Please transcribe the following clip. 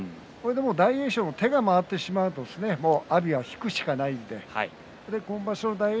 大栄翔、手が回ってしまうと阿炎は引くしかないので今場所は大栄